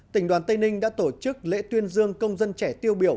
tỉnh đoàn tây ninh đã tổ chức lễ tuyên dương công dân trẻ tiêu biểu